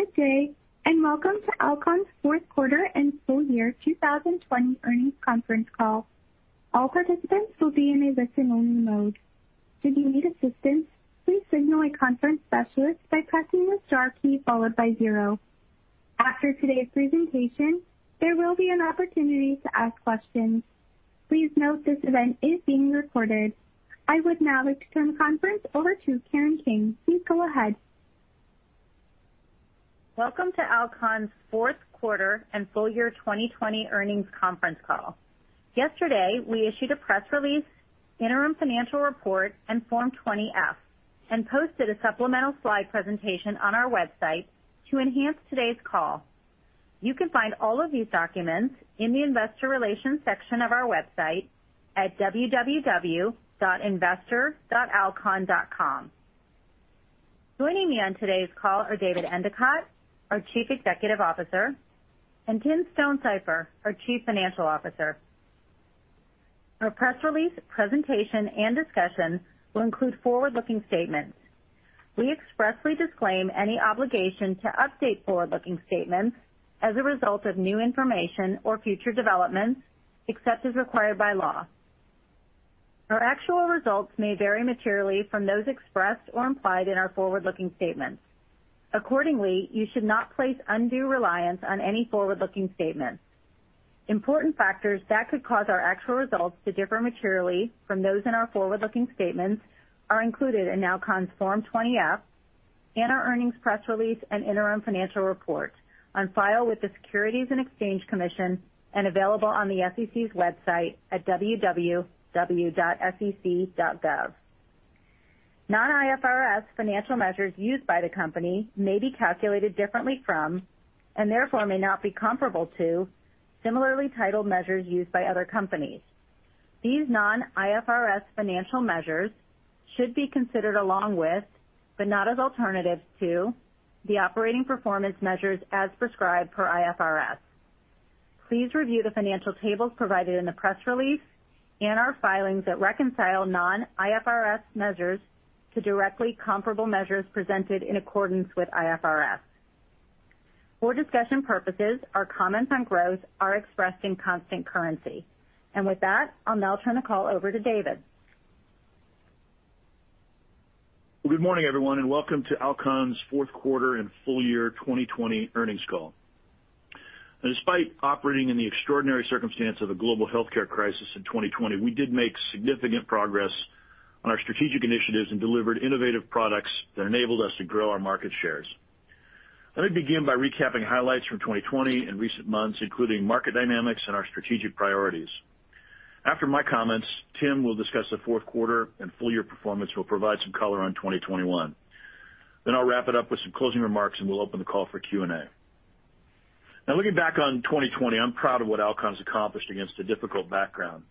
Good day. Welcome to Alcon's Q4 and Full Year 2020 Earnings Conference Call. All participants will be in a listen-only mode. Should you need assistance, please signal a conference specialist by pressing the star key followed by zero. After today's presentation, there will be an opportunity to ask questions. Please note this event is being recorded. I would now like to turn the conference over to Karen King. Please go ahead. Welcome to Alcon's Q4 and Full Year 2020 Earnings Conference Call. Yesterday, we issued a press release, interim financial report, and Form 20-F, and posted a supplemental slide presentation on our website to enhance today's call. You can find all of these documents in the investor relations section of our website at www.investor.alcon.com. Joining me on today's call are David Endicott, our Chief Executive Officer, and Tim Stonesifer, our Chief Financial Officer. Our press release, presentation, and discussion will include forward-looking statements. We expressly disclaim any obligation to update forward-looking statements as a result of new information or future developments, except as required by law. Our actual results may vary materially from those expressed or implied in our forward-looking statements. Accordingly, you should not place undue reliance on any forward-looking statements. Important factors that could cause our actual results to differ materially from those in our forward-looking statements are included in Alcon's Form 20-F and our earnings press release and interim financial report on file with the Securities and Exchange Commission and available on the sec.gov website at www.sec.gov. Non-IFRS financial measures used by the company may be calculated differently from, and therefore may not be comparable to, similarly titled measures used by other companies. These non-IFRS financial measures should be considered along with, but not as alternatives to, the operating performance measures as prescribed per IFRS. Please review the financial tables provided in the press release and our filings that reconcile non-IFRS measures to directly comparable measures presented in accordance with IFRS. For discussion purposes, our comments on growth are expressed in constant currency. With that, I'll now turn the call over to David. Well, good morning, everyone, and welcome to Alcon's Q4 and Full Year 2020 Earnings Call. Despite operating in the extraordinary circumstance of a global healthcare crisis in 2020, we did make significant progress on our strategic initiatives and delivered innovative products that enabled us to grow our market shares. Let me begin by recapping highlights from 2020 and recent months, including market dynamics and our strategic priorities. After my comments, Tim will discuss the Q4 and full-year performance, we'll provide some color on 2021. I'll wrap it up with some closing remarks, and we'll open the call for Q&A. Looking back on 2020, I'm proud of what Alcon's accomplished against a difficult background.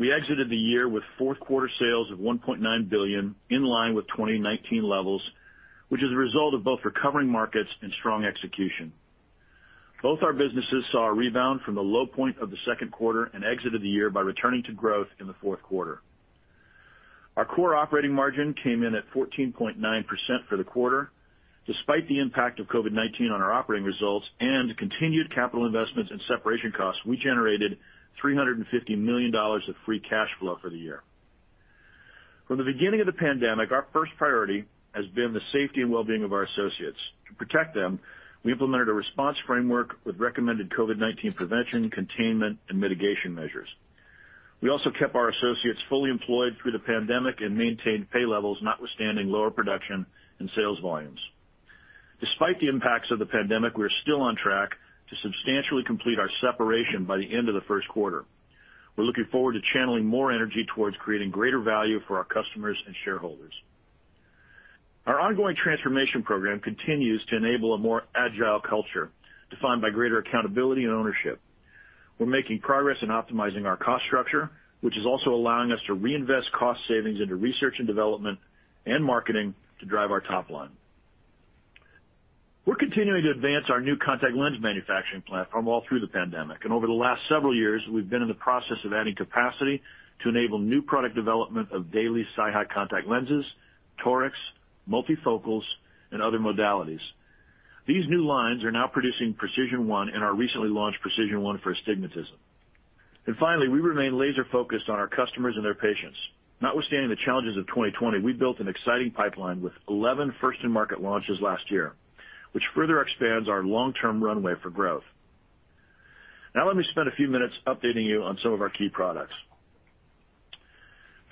We exited the year with Q4 sales of $1.9 billion, in line with 2019 levels, which is a result of both recovering markets and strong execution. Both our businesses saw a rebound from the low point of the Q2 and exited the year by returning to growth in the Q4. Our core operating margin came in at 14.9% for the quarter. Despite the impact of COVID-19 on our operating results and continued capital investments and separation costs, we generated $350 million of free cash flow for the year. From the beginning of the pandemic, our first priority has been the safety and well-being of our associates. To protect them, we implemented a response framework with recommended COVID-19 prevention, containment, and mitigation measures. We also kept our associates fully employed through the pandemic and maintained pay levels notwithstanding lower production and sales volumes. Despite the impacts of the pandemic, we are still on track to substantially complete our separation by the end of the Q1. We're looking forward to channeling more energy towards creating greater value for our customers and shareholders. Our ongoing transformation program continues to enable a more agile culture defined by greater accountability and ownership. We're making progress in optimizing our cost structure, which is also allowing us to reinvest cost savings into research and development and marketing to drive our top line. We're continuing to advance our new contact lens manufacturing platform all through the pandemic, and over the last several years, we've been in the process of adding capacity to enable new product development of daily SiHy contact lenses, torics, multifocals, and other modalities. These new lines are now producing PRECISION1 and our recently launched PRECISION1 for Astigmatism. Finally, we remain laser-focused on our customers and their patients. Notwithstanding the challenges of 2020, we built an exciting pipeline with 11 first-in-market launches last year, which further expands our long-term runway for growth. Let me spend a few minutes updating you on some of our key products.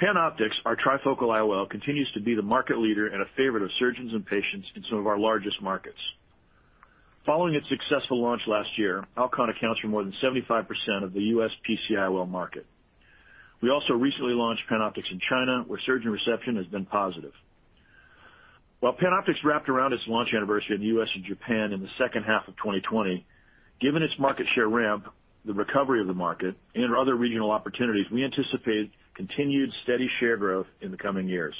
PanOptix, our Trifocal IOL, continues to be the market leader and a favorite of surgeons and patients in some of our largest markets. Following its successful launch last year, Alcon accounts for more than 75% of the U.S. PCIOL market. We also recently launched PanOptix in China, where surgeon reception has been positive. PanOptix wrapped around its launch anniversary in the U.S. and Japan in the second half of 2020, given its market share ramp, the recovery of the market, and other regional opportunities, we anticipate continued steady share growth in the coming years.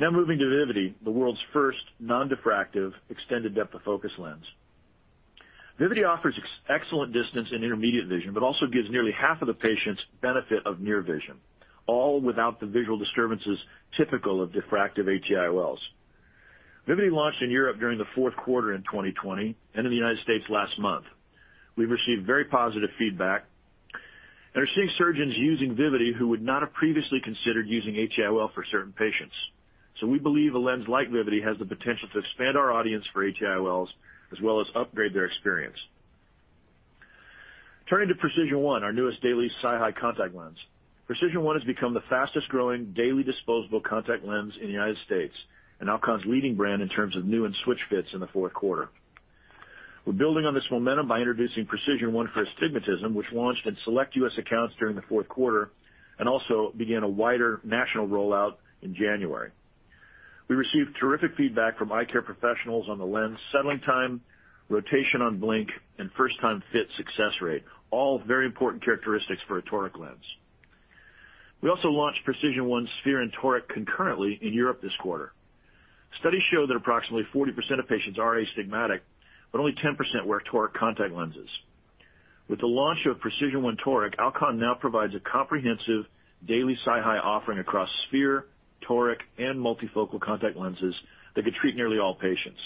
Now moving to Vivity, the world's first non-diffractive extended depth of focus lens. Vivity offers excellent distance and intermediate vision, but also gives nearly half of the patients benefit of near vision, all without the visual disturbances typical of diffractive IOLs. Vivity launched in Europe during the Q4 in 2020 and in the U.S. last month. We've received very positive feedback, and are seeing surgeons using Vivity who would not have previously considered using IOL for certain patients. We believe a lens like Vivity has the potential to expand our audience for ATIOLs as well as upgrade their experience. Turning to PRECISION1, our newest daily SiHy contact lens. PRECISION1 has become the fastest growing daily disposable contact lens in the U.S. and Alcon's leading brand in terms of new and switch fits in the Q4. We're building on this momentum by introducing PRECISION1 for Astigmatism, which launched in select U.S. accounts during the Q4 and also began a wider national rollout in January. We received terrific feedback from eye care professionals on the lens settling time, rotation on blink, and first-time fit success rate, all very important characteristics for a toric lens. We also launched PRECISION1 sphere and toric concurrently in Europe this quarter. Studies show that approximately 40% of patients are astigmatic, but only 10% wear toric contact lenses. With the launch of PRECISION1 toric, Alcon now provides a comprehensive daily SiHy offering across sphere, toric, and multifocal contact lenses that could treat nearly all patients.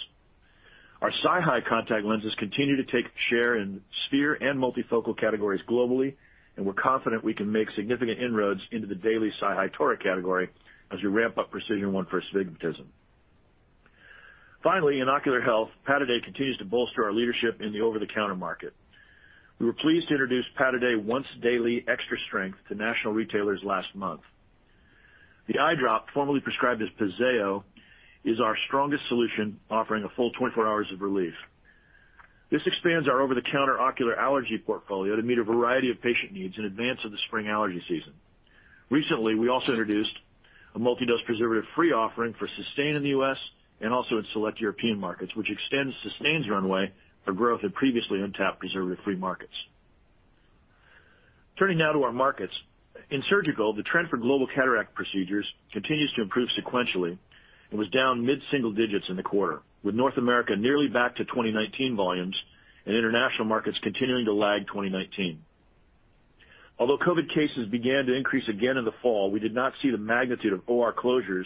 Our SiHy contact lenses continue to take share in sphere and multifocal categories globally. We're confident we can make significant inroads into the daily SiHy toric category as we ramp up PRECISION1 for Astigmatism. Finally, in ocular health, Pataday continues to bolster our leadership in the over-the-counter market. We were pleased to introduce Pataday Once Daily Extra Strength to national retailers last month. The eye drop, formerly prescribed as Pazeo, is our strongest solution, offering a full 24 hours of relief. This expands our over-the-counter ocular allergy portfolio to meet a variety of patient needs in advance of the spring allergy season. Recently, we also introduced a multi-dose preservative-free offering for SYSTANE in the U.S. and also in select European markets, which extends SYSTANE's runway for growth in previously untapped preservative-free markets. Turning now to our markets. In Surgical, the trend for global cataract procedures continues to improve sequentially and was down mid-single digits in the quarter, with North America nearly back to 2019 volumes and international markets continuing to lag 2019. Although COVID cases began to increase again in the fall, we did not see the magnitude of OR closures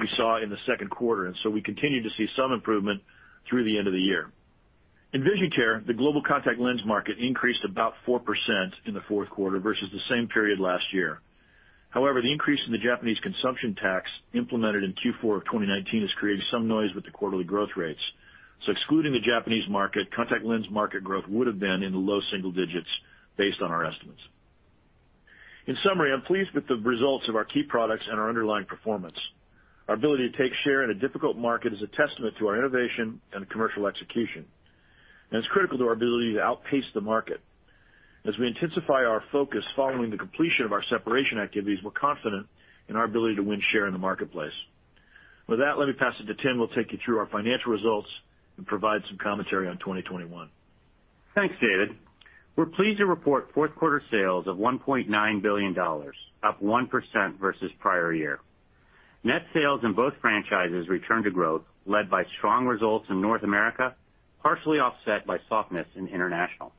we saw in the Q2, we continued to see some improvement through the end of the year. In Vision Care, the global contact lens market increased about 4% in the Q4 versus the same period last year. However, the increase in the Japanese consumption tax implemented in Q4 of 2019 has created some noise with the quarterly growth rates. Excluding the Japanese market, contact lens market growth would have been in the low single digits based on our estimates. In summary, I'm pleased with the results of our key products and our underlying performance. Our ability to take share in a difficult market is a testament to our innovation and commercial execution, and it's critical to our ability to outpace the market. As we intensify our focus following the completion of our separation activities, we're confident in our ability to win share in the marketplace. With that, let me pass it to Tim, who will take you through our financial results and provide some commentary on 2021. Thanks, David. We're pleased to report Q4 sales of $1.9 billion, up 1% versus prior year. Net sales in both franchises returned to growth, led by strong results in North America, partially offset by softness in international.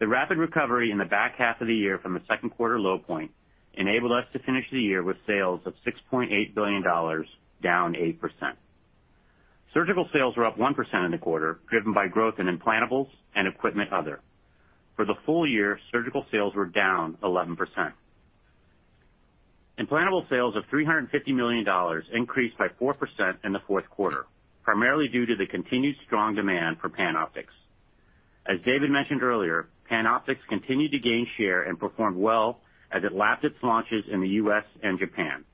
The rapid recovery in the back half of the year from the Q2 low point enabled us to finish the year with sales of $6.8 billion, down 8%. Surgical sales were up 1% in the quarter, driven by growth in implantables and equipment other. For the full year, surgical sales were down 11%. Implantable sales of $350 million increased by 4% in the Q4, primarily due to the continued strong demand for PanOptix. As David mentioned earlier, PanOptix continued to gain share and performed well as it lapped its launches in the U.S. and Japan.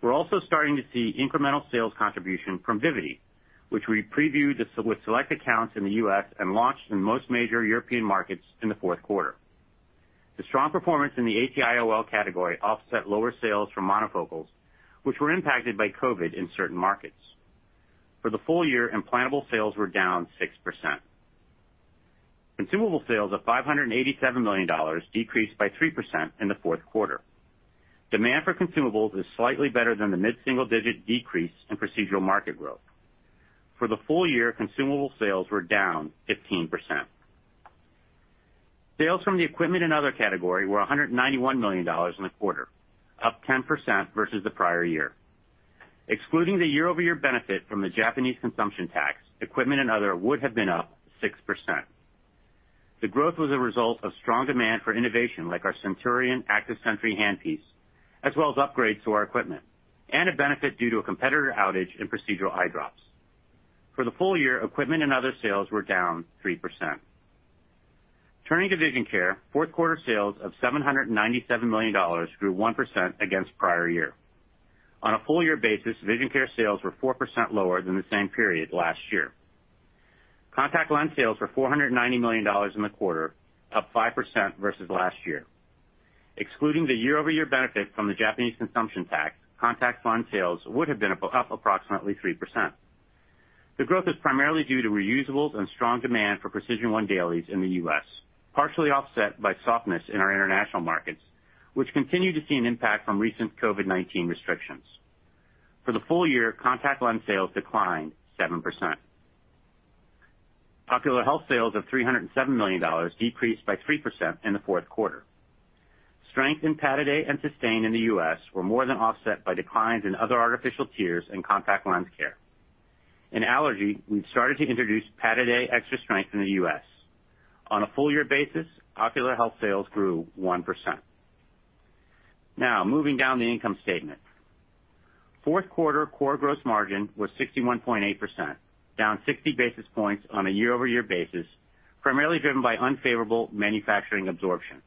We're also starting to see incremental sales contribution from Vivity, which we previewed with select accounts in the U.S. and launched in most major European markets in the Q4. The strong performance in the ATIOL category offset lower sales from monofocals, which were impacted by COVID in certain markets. For the full year, implantable sales were down 6%. Consumable sales of $587 million decreased by 3% in the Q4. Demand for consumables is slightly better than the mid-single-digit decrease in procedural market growth. For the full year, consumable sales were down 15%. Sales from the equipment and other category were $191 million in the quarter, up 10% versus the prior year. Excluding the year-over-year benefit from the Japanese consumption tax, equipment and other would have been up 6%. The growth was a result of strong demand for innovation like our CENTURION ACTIVE SENTRY Handpiece, as well as upgrades to our equipment and a benefit due to a competitor outage in procedural eye drops. For the full year, equipment and other sales were down 3%. Turning to Vision Care, Q4 sales of $797 million grew 1% against prior year. On a full year basis, Vision Care sales were 4% lower than the same period last year. Contact lens sales were $490 million in the quarter, up 5% versus last year. Excluding the year-over-year benefit from the Japanese consumption tax, contact lens sales would have been up approximately 3%. The growth is primarily due to reusables and strong demand for PRECISION1 dailies in the U.S., partially offset by softness in our international markets, which continue to see an impact from recent COVID-19 restrictions. For the full year, contact lens sales declined 7%. Ocular Health sales of $307 million decreased by 3% in the Q4. Strength in Pataday and SYSTANE in the U.S. were more than offset by declines in other artificial tears and contact lens care. In allergy, we've started to introduce Pataday Extra Strength in the U.S. On a full-year basis, Ocular Health sales grew 1%. Now, moving down the income statement. Q4 core gross margin was 61.8%, down 60 basis points on a year-over-year basis, primarily driven by unfavorable manufacturing absorption.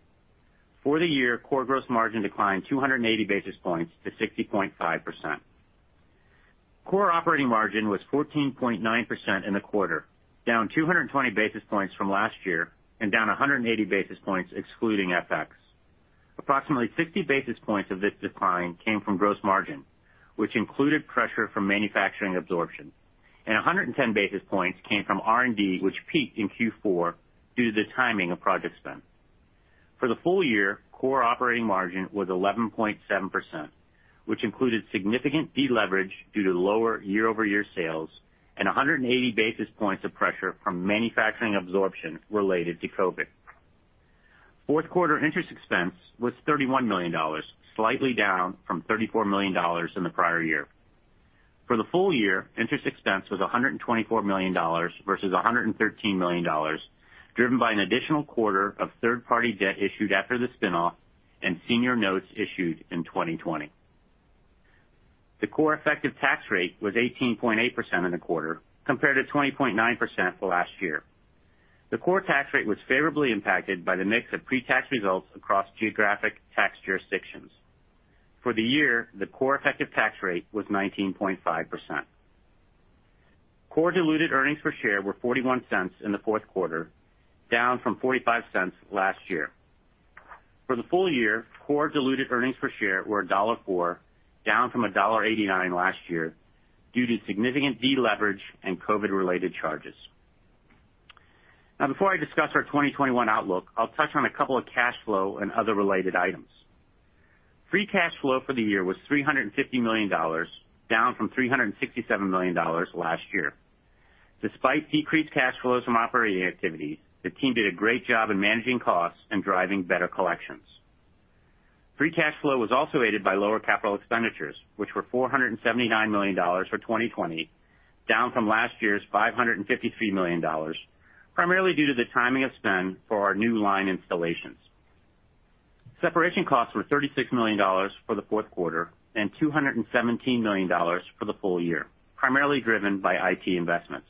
For the year, core gross margin declined 280 basis points to 60.5%. Core operating margin was 14.9% in the quarter, down 220 basis points from last year and down 180 basis points excluding FX. Approximately 60 basis points of this decline came from gross margin, which included pressure from manufacturing absorption, and 110 basis points came from R&D, which peaked in Q4 due to the timing of project spend. For the full year, core operating margin was 11.7%, which included significant deleverage due to lower year-over-year sales and 180 basis points of pressure from manufacturing absorption related to COVID. Q4 interest expense was $31 million, slightly down from $34 million in the prior year. For the full year, interest expense was $124 million versus $113 million, driven by an additional quarter of third-party debt issued after the spinoff and senior notes issued in 2020. The core effective tax rate was 18.8% in the quarter, compared to 20.9% for last year. The core tax rate was favorably impacted by the mix of pre-tax results across geographic tax jurisdictions. For the year, the core effective tax rate was 19.5%. Core diluted EPS were $0.41 in the Q4, down from $0.45 last year. For the full year, core diluted EPS were $1.04, down from $1.89 last year due to significant deleverage and COVID-19-related charges. Before I discuss our 2021 outlook, I'll touch on a couple of cash flow and other related items. Free cash flow for the year was $350 million, down from $367 million last year. Despite decreased cash flows from operating activities, the team did a great job in managing costs and driving better collections. Free cash flow was also aided by lower capital expenditures, which were $479 million for 2020, down from last year's $553 million, primarily due to the timing of spend for our new line installations. Separation costs were $36 million for the Q4 and $217 million for the full year, primarily driven by IT investments.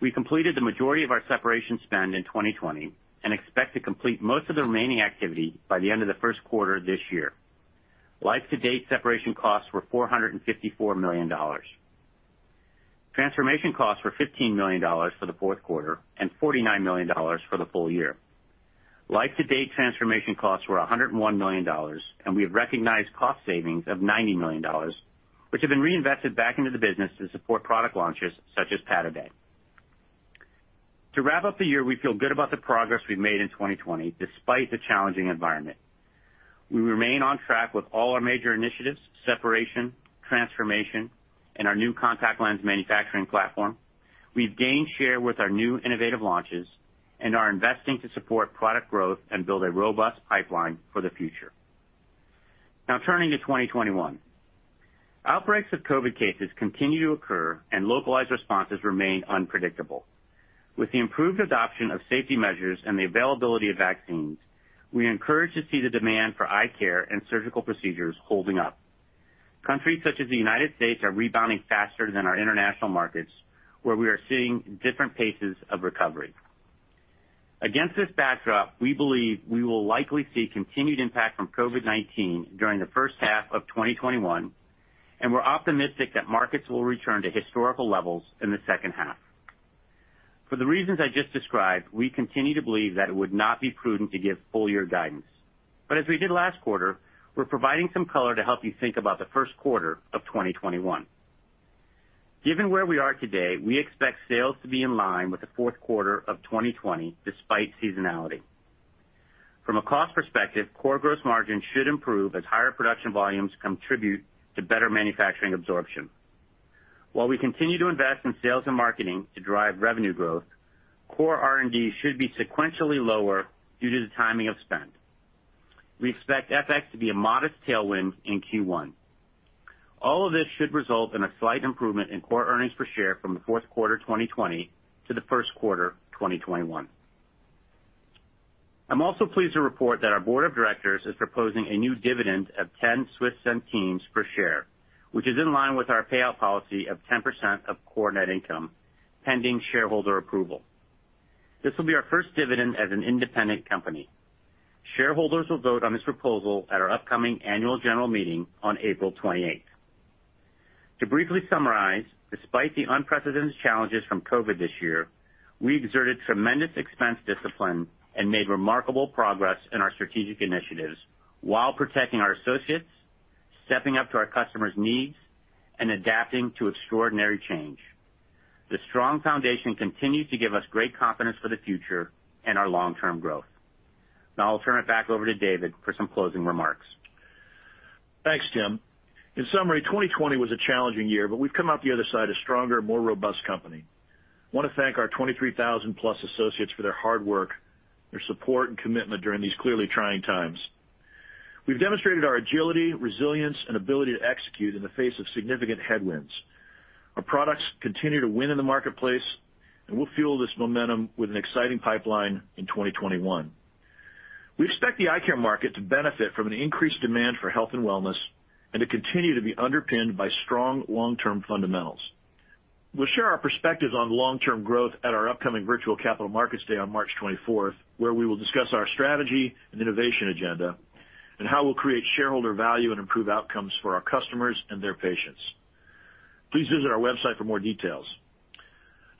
We completed the majority of our separation spend in 2020 and expect to complete most of the remaining activity by the end of the Q1 this year. Life-to-date separation costs were $454 million. Transformation costs were $15 million for the Q4 and $49 million for the full year. Life-to-date transformation costs were $101 million, and we have recognized cost savings of $90 million, which have been reinvested back into the business to support product launches such as Pataday. To wrap up the year, we feel good about the progress we've made in 2020, despite the challenging environment. We remain on track with all our major initiatives, separation, transformation, and our new contact lens manufacturing platform. We've gained share with our new innovative launches and are investing to support product growth and build a robust pipeline for the future. Turning to 2021. Outbreaks of COVID cases continue to occur and localized responses remain unpredictable. With the improved adoption of safety measures and the availability of vaccines, we are encouraged to see the demand for eye care and surgical procedures holding up. Countries such as the U.S. are rebounding faster than our international markets, where we are seeing different paces of recovery. Against this backdrop, we believe we will likely see continued impact from COVID-19 during the first half of 2021, and we're optimistic that markets will return to historical levels in the second half. For the reasons I just described, we continue to believe that it would not be prudent to give full year guidance. As we did last quarter, we're providing some color to help you think about the Q1 of 2021. Given where we are today, we expect sales to be in line with the Q4 of 2020, despite seasonality. From a cost perspective, core gross margin should improve as higher production volumes contribute to better manufacturing absorption. While we continue to invest in sales and marketing to drive revenue growth, core R&D should be sequentially lower due to the timing of spend. We expect FX to be a modest tailwind in Q1. All of this should result in a slight improvement in core earnings per share from the Q4 2020 to the Q1 2021. I'm also pleased to report that our board of directors is proposing a new dividend of 0.10 per share, which is in line with our payout policy of 10% of core net income, pending shareholder approval. This will be our first dividend as an independent company. Shareholders will vote on this proposal at our upcoming annual general meeting on April 28th. To briefly summarize, despite the unprecedented challenges from COVID-19 this year, we exerted tremendous expense discipline and made remarkable progress in our strategic initiatives while protecting our associates, stepping up to our customers' needs, and adapting to extraordinary change. The strong foundation continues to give us great confidence for the future and our long-term growth. Now I'll turn it back over to David for some closing remarks. Thanks, Tim. In summary, 2020 was a challenging year, but we've come out the other side a stronger, more robust company. I want to thank our 23,000 plus associates for their hard work, their support, and commitment during these clearly trying times. We've demonstrated our agility, resilience, and ability to execute in the face of significant headwinds. Our products continue to win in the marketplace, and we'll fuel this momentum with an exciting pipeline in 2021. We expect the eye care market to benefit from an increased demand for health and wellness, and to continue to be underpinned by strong long-term fundamentals. We'll share our perspectives on long-term growth at our upcoming virtual Capital Markets Day on March 24th, where we will discuss our strategy and innovation agenda, and how we'll create shareholder value and improve outcomes for our customers and their patients. Please visit our website for more details.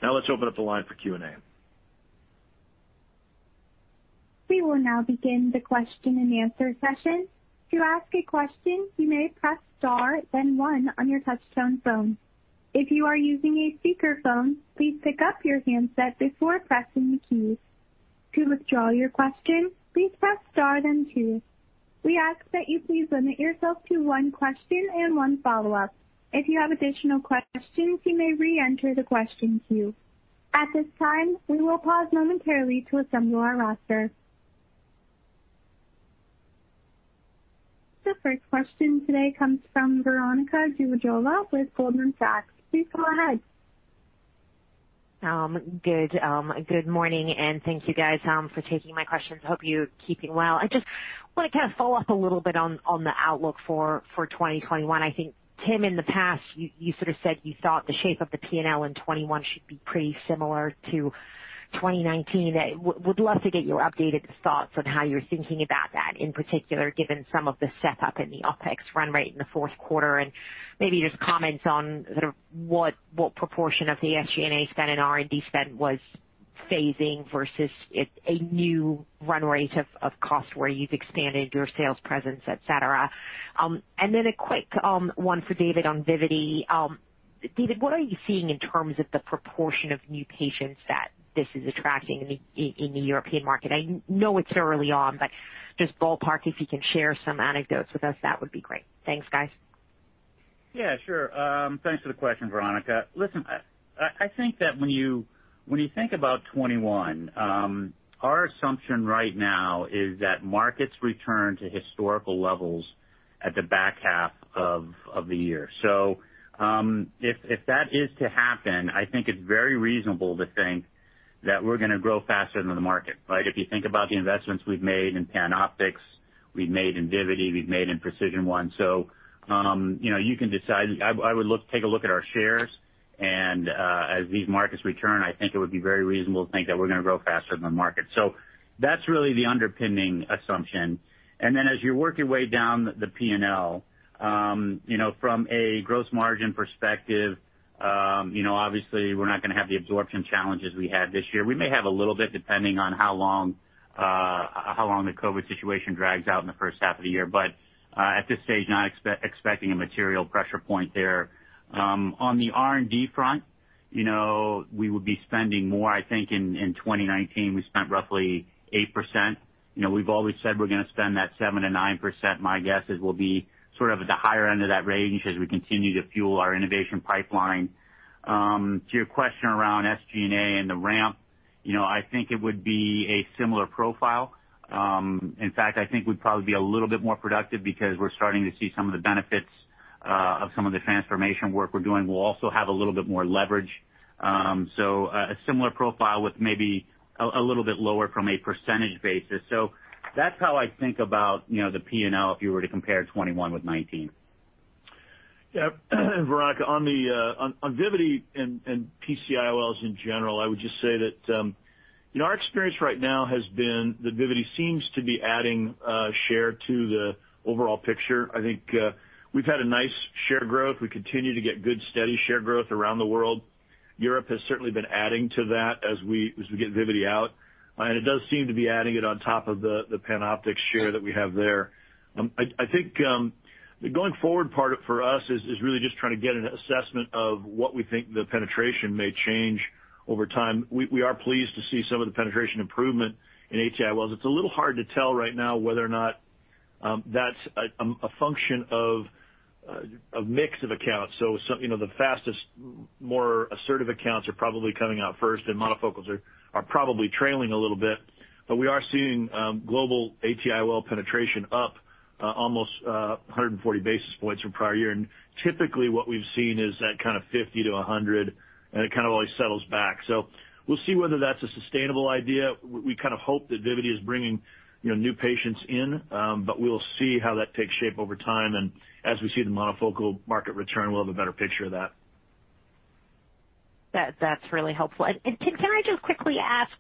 Now let's open up the line for Q&A. We will now begin the question-and-answer session. To ask a question, you may press star, then one on your touchtone phone. If you are using a speakerphone, please pick up your handset before pressing the keys. To withdraw your question, please press star then two. We ask that you please limit yourself to one question and one follow-up. If you have additional questions, you may reenter the question queue. At this time, we will pause momentarily to assemble our roster. The first question today comes from Veronika Dubajova with Goldman Sachs. Please go ahead. Good morning. Thank you guys for taking my questions. Hope you're keeping well. I just want to kind of follow up a little bit on the outlook for 2021. I think, Tim, in the past, you sort of said you thought the shape of the P&L in 2021 should be pretty similar to 2019. Would love to get your updated thoughts on how you're thinking about that, in particular, given some of the setup in the OpEx run rate in the Q4. Maybe just comments on sort of what proportion of the SG&A spend and R&D spend was phasing versus a new run rate of cost where you've expanded your sales presence, et cetera. A quick one for David on Vivity. David, what are you seeing in terms of the proportion of new patients that this is attracting in the European market? I know it's early on, but just ballpark, if you can share some anecdotes with us, that would be great. Thanks, guys. Yeah, sure. Thanks for the question, Veronika. I think that when you think about 2021, our assumption right now is that markets return to historical levels at the back half of the year. If that is to happen, I think it's very reasonable to think that we're going to grow faster than the market, right? If you think about the investments we've made in PanOptix, we've made in Vivity, we've made in PRECISION1. You can decide. I would take a look at our shares and as these markets return, I think it would be very reasonable to think that we're going to grow faster than the market. That's really the underpinning assumption. As you work your way down the P&L, from a gross margin perspective, obviously we're not going to have the absorption challenges we had this year. We may have a little bit depending on how long the COVID situation drags out in the first half of the year. At this stage, not expecting a material pressure point there. On the R&D front, we would be spending more. I think in 2019, we spent roughly 8%. We've always said we're going to spend that 7%-9%. My guess is we'll be sort of at the higher end of that range as we continue to fuel our innovation pipeline. To your question around SG&A and the ramp, I think it would be a similar profile. In fact, I think we'd probably be a little bit more productive because we're starting to see some of the benefits of some of the transformation work we're doing. We'll also have a little bit more leverage. A similar profile with maybe a little bit lower from a percentage basis. That's how I think about the P&L, if you were to compare 2021 with 2019. Veronika, on Vivity and PCIOLs in general, I would just say that our experience right now has been that Vivity seems to be adding share to the overall picture. I think we've had a nice share growth. We continue to get good, steady share growth around the world. Europe has certainly been adding to that as we get Vivity out. It does seem to be adding it on top of the PanOptix share that we have there. I think the going forward part for us is really just trying to get an assessment of what we think the penetration may change over time. We are pleased to see some of the penetration improvement in ATIOLs. It's a little hard to tell right now whether or not that's a function of a mix of accounts. The fastest, more assertive accounts are probably coming out first, and monofocals are probably trailing a little bit. We are seeing global ATIOL penetration up almost 140 basis points from prior year. Typically what we've seen is that kind of 50-100, and it kind of always settles back. We'll see whether that's a sustainable idea. We kind of hope that Vivity is bringing new patients in, but we'll see how that takes shape over time. As we see the monofocal market return, we'll have a better picture of that. That's really helpful. Tim, can I just quickly ask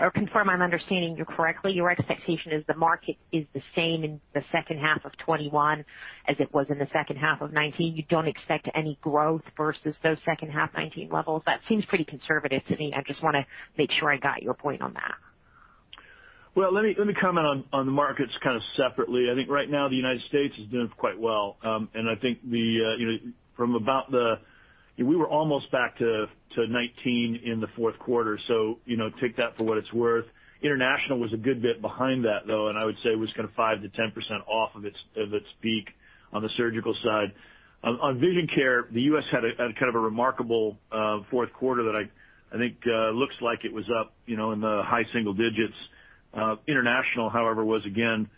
or confirm I'm understanding you correctly? Your expectation is the market is the same in the second half of 2021 as it was in the second half of 2019. You don't expect any growth versus those second half 2019 levels? That seems pretty conservative to me. I just want to make sure I got your point on that. Well, let me comment on the markets kind of separately. I think right now the U.S. is doing quite well. I think we were almost back to 19 in the Q4, so take that for what it's worth. International was a good bit behind that, though, and I would say it was kind of 5%-10% off of its peak on the surgical side. On Vision Care, the U.S. had kind of a remarkable Q4 that I think looks like it was up in the high single digits. International, however, was again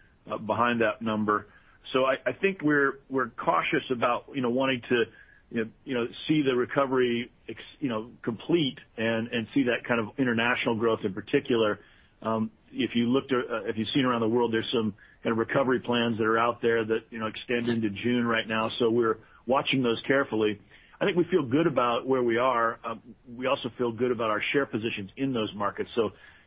behind that number. I think we're cautious about wanting to see the recovery complete and see that kind of international growth in particular. If you've seen around the world, there's some recovery plans that are out there that extend into June right now, so we're watching those carefully. I think we feel good about where we are. We also feel good about our share positions in those markets.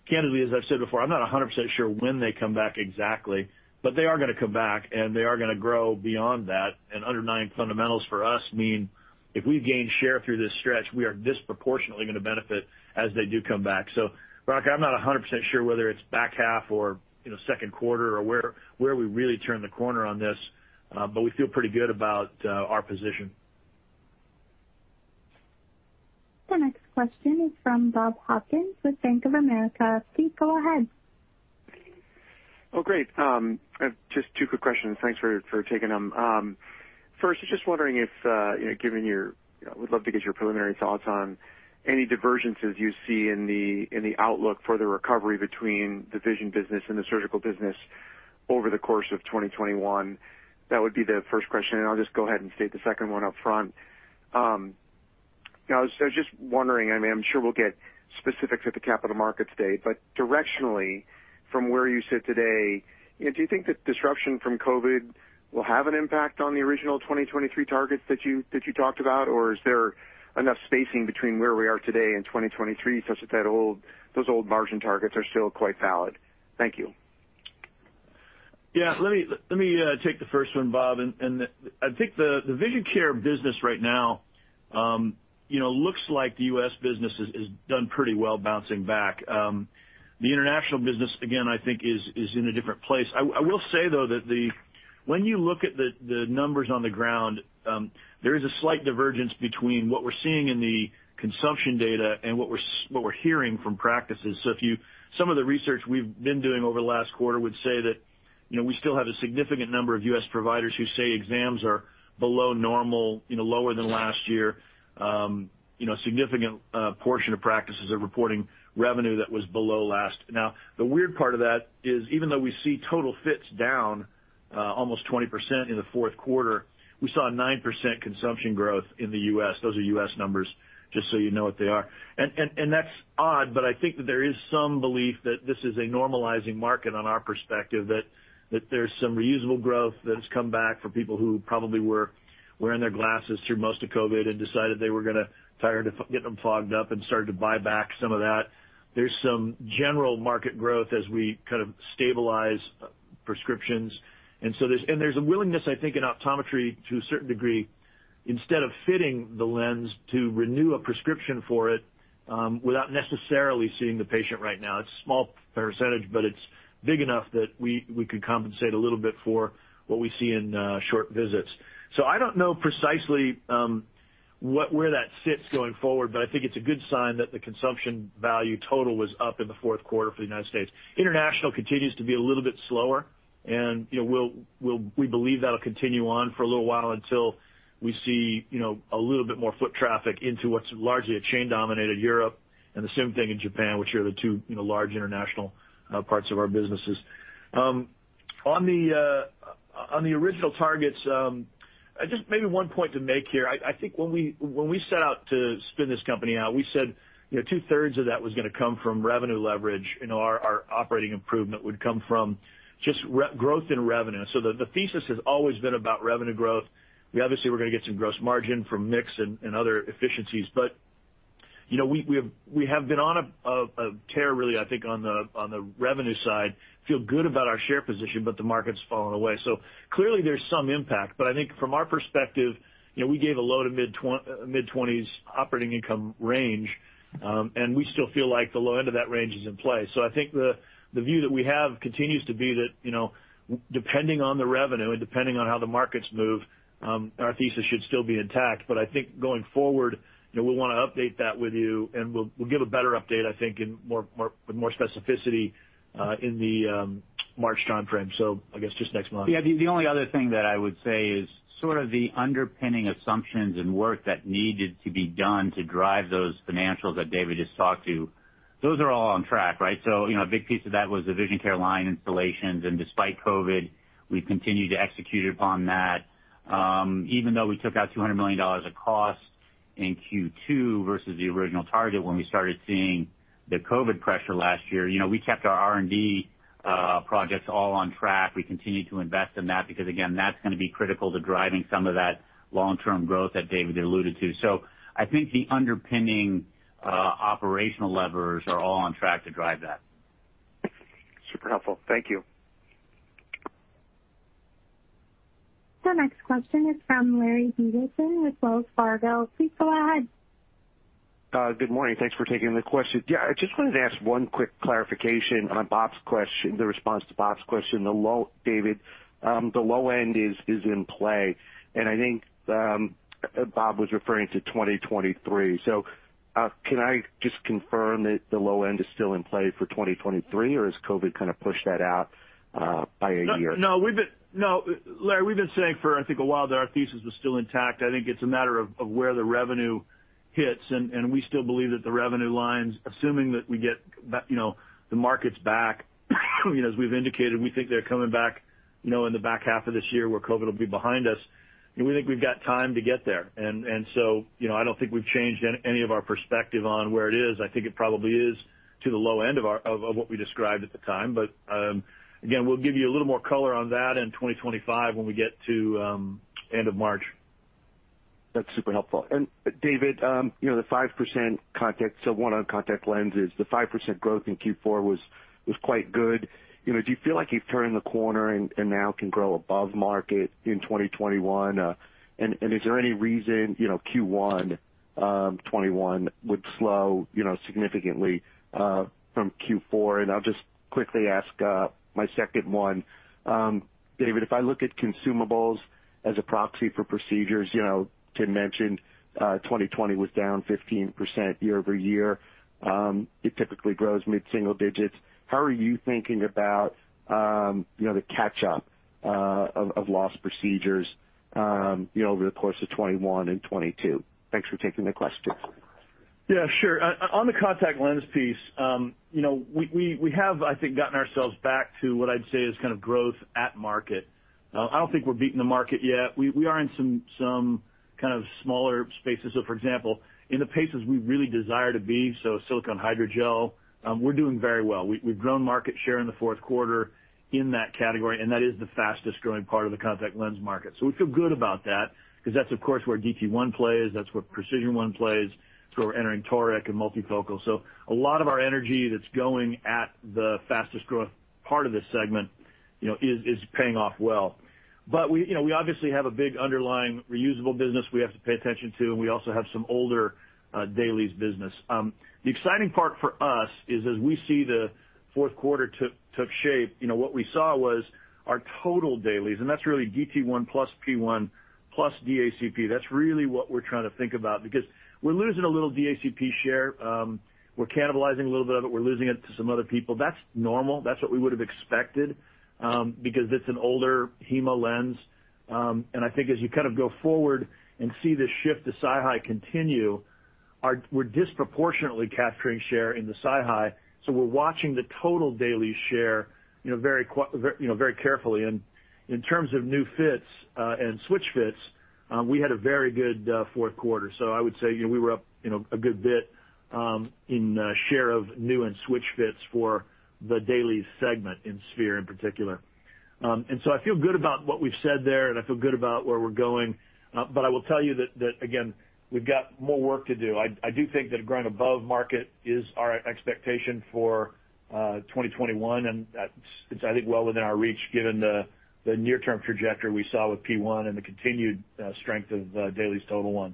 Candidly, as I've said before, I'm not 100% sure when they come back exactly, but they are going to come back, and they are going to grow beyond that. Underlying fundamentals for us mean if we gain share through this stretch, we are disproportionately going to benefit as they do come back. Veronika, I'm not 100% sure whether it's back half or Q2 or where we really turn the corner on this, but we feel pretty good about our position. The next question is from Bob Hopkins with Bank of America. Please go ahead. Oh, great. I have just two quick questions. Thanks for taking them. First, I was just wondering if, would love to get your preliminary thoughts on any divergences you see in the outlook for the recovery between the Vision business and the Surgical business over the course of 2021. That would be the first question. I'll just go ahead and state the second one up front. I was just wondering, I'm sure we'll get specifics at the Capital Markets Day, but directionally, from where you sit today, do you think that disruption from COVID-19 will have an impact on the original 2023 targets that you talked about? Is there enough spacing between where we are today and 2023 such that those old margin targets are still quite valid? Thank you. Yeah, let me take the first one, Bob. I think the Vision Care business right now looks like the U.S. business has done pretty well bouncing back. The international business, again, I think is in a different place. I will say, though, that when you look at the numbers on the ground, there is a slight divergence between what we're seeing in the consumption data and what we're hearing from practices. Some of the research we've been doing over the last quarter would say that we still have a significant number of U.S. providers who say exams are below normal, lower than last year. A significant portion of practices are reporting revenue that was below last. Now, the weird part of that is even though we see total fits down almost 20% in the Q4, we saw a 9% consumption growth in the U.S. Those are U.S. numbers, just so you know what they are. That's odd, but I think that there is some belief that this is a normalizing market on our perspective, that there's some reusable growth that's come back for people who probably were wearing their glasses through most of COVID and decided they were tired to get them fogged up and started to buy back some of that. There's some general market growth as we kind of stabilize prescriptions. There's a willingness, I think, in optometry to a certain degree, instead of fitting the lens to renew a prescription for it, without necessarily seeing the patient right now. It's a small percentage, but it's big enough that we could compensate a little bit for what we see in short visits. I don't know precisely where that sits going forward, but I think it's a good sign that the consumption value total was up in the Q4 for the United States. International continues to be a little bit slower, and we believe that'll continue on for a little while until we see a little bit more foot traffic into what's largely a chain-dominated Europe, and the same thing in Japan, which are the two large international parts of our businesses. On the original targets, just maybe one point to make here. I think when we set out to spin this company out, we said two-thirds of that was going to come from revenue leverage, our operating improvement would come from just growth in revenue. The thesis has always been about revenue growth. We obviously were going to get some gross margin from mix and other efficiencies, but we have been on a tear really, I think, on the revenue side. Feel good about our share position, but the market's fallen away. Clearly, there's some impact, but I think from our perspective, we gave a low to mid-20s operating income range, and we still feel like the low end of that range is in play. I think the view that we have continues to be that depending on the revenue and depending on how the markets move, our thesis should still be intact. I think going forward, we'll want to update that with you, and we'll give a better update, I think, with more specificity in the March timeframe. I guess just next month. Yeah, the only other thing that I would say is sort of the underpinning assumptions and work that needed to be done to drive those financials that David just talked to, those are all on track, right? A big piece of that was the Vision Care line installations, and despite COVID-19, we've continued to execute upon that. Even though we took out $200 million of cost in Q2 versus the original target when we started seeing the COVID-19 pressure last year, we kept our R&D projects all on track. We continued to invest in that because, again, that's going to be critical to driving some of that long-term growth that David alluded to. I think the underpinning operational levers are all on track to drive that. Super helpful. Thank you. The next question is from Larry Biegelsen with Wells Fargo. Please go ahead. Good morning. Thanks for taking the question. Yeah, I just wanted to ask one quick clarification on Bob's question, the response to Bob's question. David, the low end is in play, and I think Bob was referring to 2023. Can I just confirm that the low end is still in play for 2023, or has COVID kind of pushed that out by a year? No, Larry, we've been saying for, I think, a while that our thesis was still intact. I think it's a matter of where the revenue hits, and we still believe that the revenue lines, assuming that we get the markets back. As we've indicated, we think they're coming back in the back half of this year where COVID will be behind us, and we think we've got time to get there. I don't think we've changed any of our perspective on where it is. I think it probably is to the low end of what we described at the time. Again, we'll give you a little more color on that in 2025 when we get to end of March. That's super helpful. David, the 5% contact, so one on contact lenses, the 5% growth in Q4 was quite good. Do you feel like you've turned the corner and now can grow above market in 2021? Is there any reason Q1 2021 would slow significantly from Q4? I'll just quickly ask my second one. David, if I look at consumables as a proxy for procedures, Tim mentioned 2020 was down 15% year-over-year. It typically grows mid-single digits. How are you thinking about the catch-up of lost procedures over the course of 2021 and 2022? Thanks for taking the questions. Yeah, sure. On the contact lens piece, we have, I think, gotten ourselves back to what I'd say is kind of growth at market. I don't think we're beating the market yet. We are in some kind of smaller spaces. For example, in the paces we really desire to be, silicone hydrogel, we're doing very well. We've grown market share in the Q4 in that category, and that is the fastest-growing part of the contact lens market. We feel good about that because that's, of course, where DT1 plays, that's where PRECISION1 plays. We're entering toric and multifocal. A lot of our energy that's going at the fastest growth part of this segment is paying off well. We obviously have a big underlying reusable business we have to pay attention to, and we also have some older dailies business. The exciting part for us is as we see the Q4 took shape, what we saw was our total dailies, and that's really DT1 plus P1 plus DACP. That's really what we're trying to think about because we're losing a little DACP share. We're cannibalizing a little bit of it. We're losing it to some other people. That's normal. That's what we would have expected, because it's an older HEMA lens. I think as you kind of go forward and see the shift to SiHy continue, we're disproportionately capturing share in the SiHy. We're watching the total daily share very carefully. In terms of new fits and switch fits, we had a very good Q4. I would say we were up a good bit in share of new and switch fits for the DAILIES segment in sphere in particular. I feel good about what we've said there, and I feel good about where we're going. I will tell you that again, we've got more work to do. I do think that growing above market is our expectation for 2021, and that's, I think, well within our reach given the near-term trajectory we saw with P1 and the continued strength of DAILIES TOTAL1.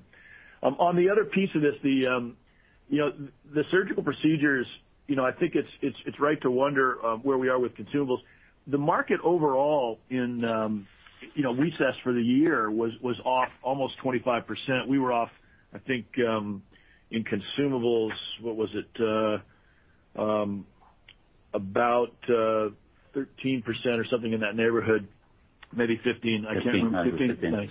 On the other piece of this, the surgical procedures, I think it's right to wonder where we are with consumables. The market overall in recess for the year was off almost 25%. We were off, I think, in consumables, what was it? About 13% or something in that neighborhood, maybe 15. I can't remember. 15.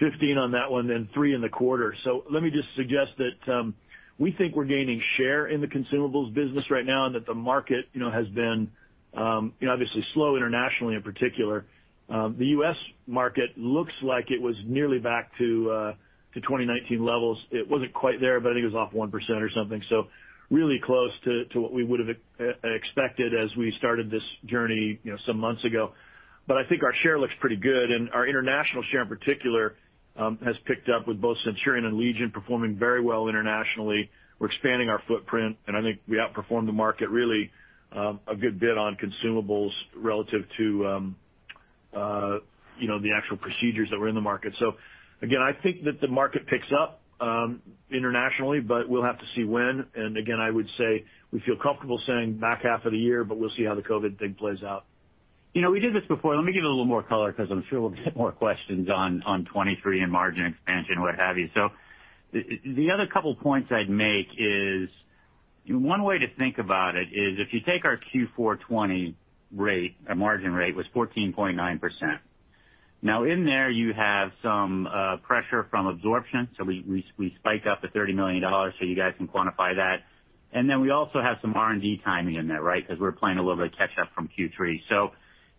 15 on that one, three in the quarter. Let me just suggest that we think we're gaining share in the consumables business right now and that the market has been obviously slow internationally in particular. The U.S. market looks like it was nearly back to 2019 levels. It wasn't quite there, but I think it was off 1% or something. Really close to what we would have expected as we started this journey some months ago. I think our share looks pretty good, and our international share in particular has picked up with both CENTURION and LEGION performing very well internationally. We're expanding our footprint, and I think we outperformed the market really a good bit on consumables relative to the actual procedures that were in the market. Again, I think that the market picks up internationally, but we'll have to see when. Again, I would say we feel comfortable saying back half of the year, but we'll see how the COVID thing plays out. We did this before. Let me give it a little more color because I'm sure we'll get more questions on 2023 and margin expansion, what have you. The other couple points I'd make is one way to think about it is if you take our Q4 2020 margin rate was 14.9%. Now in there, you have some pressure from absorption. We spike up at $30 million so you guys can quantify that. We also have some R&D timing in there because we're playing a little bit of catch up from Q3.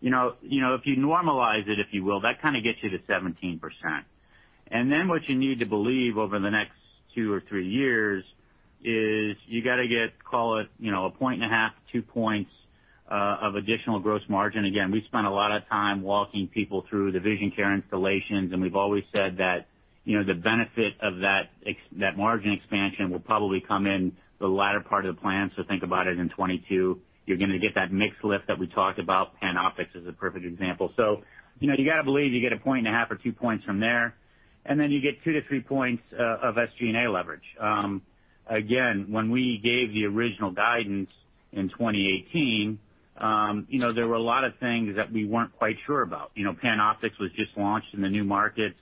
If you normalize it, if you will, that kind of gets you to 17%. What you need to believe over the next two or three years is you got to get, call it, a point and a half, two points of additional gross margin. We've spent a lot of time walking people through the Vision Care installations, and we've always said that. The benefit of that margin expansion will probably come in the latter part of the plan. Think about it in 2022, you're going to get that mix lift that we talked about. PanOptix is a perfect example. You got to believe you get a point and a half or two points from there, and then you get two to three points of SG&A leverage. When we gave the original guidance in 2018, there were a lot of things that we weren't quite sure about. PanOptix was just launched in the new markets.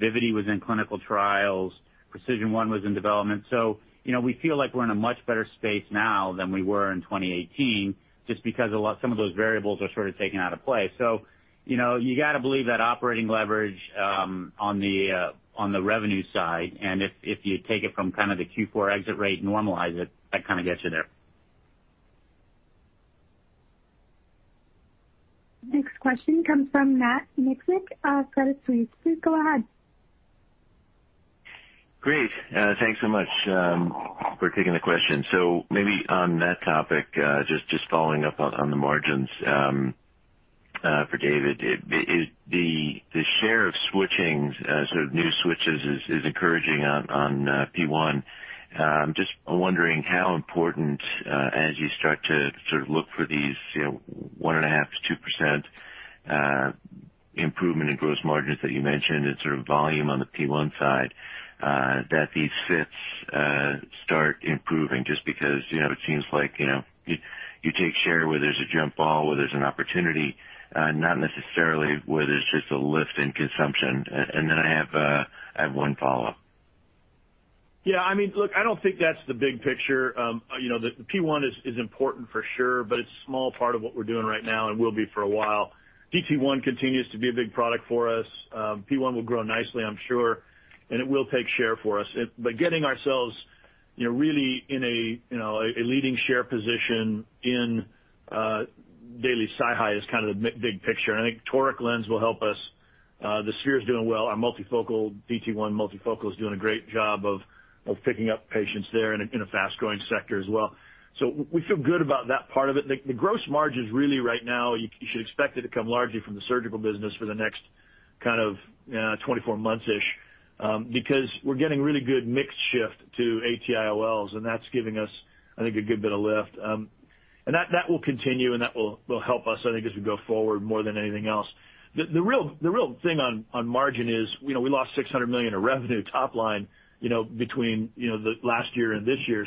Vivity was in clinical trials. PRECISION1 was in development. We feel like we're in a much better space now than we were in 2018 just because some of those variables are sort of taken out of play. You got to believe that operating leverage on the revenue side, and if you take it from kind of the Q4 exit rate, normalize it, that kind of gets you there. Next question comes from Matt Miksic, Credit Suisse. Please go ahead. Great. Thanks so much for taking the question. Maybe on that topic, just following up on the margins, for David, the share of switchings, sort of new switches is encouraging on P1. Just wondering how important, as you start to sort of look for these, 1.5%-2% improvement in gross margins that you mentioned and sort of volume on the P1 side, that these fits start improving just because it seems like you take share where there's a jump ball, where there's an opportunity, not necessarily where there's just a lift in consumption. Then I have one follow-up. Yeah, look, I don't think that's the big picture. The P1 is important for sure, it's a small part of what we're doing right now and will be for a while. DT1 continues to be a big product for us. P1 will grow nicely, I'm sure, it will take share for us. Getting ourselves really in a leading share position in daily SiHy is kind of the big picture, I think toric lens will help us. The sphere's doing well. Our multifocal DT1 multifocal is doing a great job of picking up patients there in a fast-growing sector as well. We feel good about that part of it. The gross margins really right now, you should expect it to come largely from the surgical business for the next kind of 24 months-ish, because we're getting really good mix shift to ATIOLs, and that's giving us, I think, a good bit of lift. That will continue, and that will help us, I think, as we go forward more than anything else. The real thing on margin is we lost $600 million of revenue top line between last year and this year,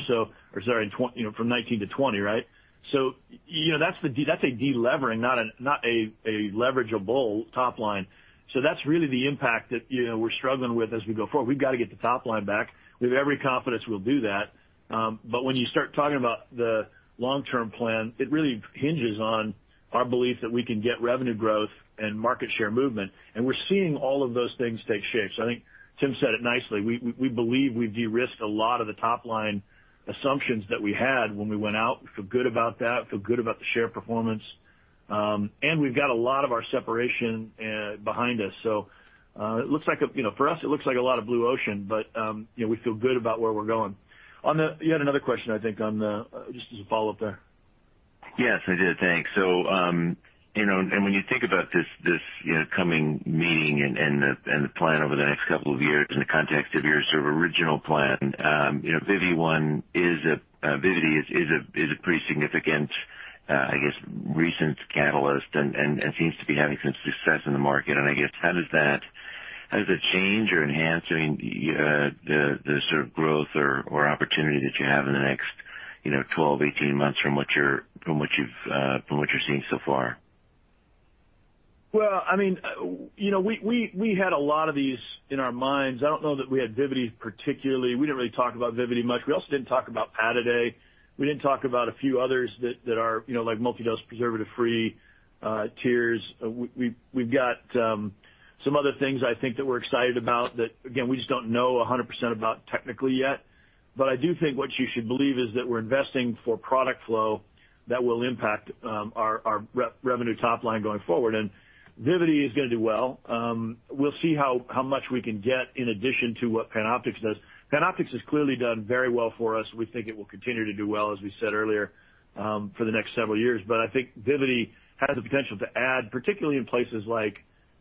or sorry, from 2019 to 2020, right? That's a de-levering, not a leverageable top line. That's really the impact that we're struggling with as we go forward. We've got to get the top line back. With every confidence we'll do that. When you start talking about the long-term plan, it really hinges on our belief that we can get revenue growth and market share movement, and we're seeing all of those things take shape. I think Tim said it nicely. We believe we de-risked a lot of the top-line assumptions that we had when we went out. We feel good about that, feel good about the share performance. We've got a lot of our separation behind us. For us, it looks like a lot of blue ocean, but we feel good about where we're going. You had another question, I think, just as a follow-up there. Yes, I did. Thanks. When you think about this coming meeting and the plan over the next couple of years in the context of your sort of original plan, Vivity is a pretty significant, I guess, recent catalyst and seems to be having some success in the market. I guess how does it change or enhance the sort of growth or opportunity that you have in the next 12, 18 months from what you're seeing so far? Well, we had a lot of these in our minds. I don't know that we had Vivity particularly. We didn't really talk about Vivity much. We also didn't talk about Pataday. We didn't talk about a few others that are like multi-dose, preservative-free tiers. We've got some other things I think that we're excited about that, again, we just don't know 100% about technically yet. I do think what you should believe is that we're investing for product flow that will impact our revenue top line going forward. Vivity is going to do well. We'll see how much we can get in addition to what PanOptix does. PanOptix has clearly done very well for us. We think it will continue to do well, as we said earlier, for the next several years. I think Vivity has the potential to add, particularly in places like